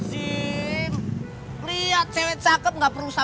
tapi jangan ke beloved rasanya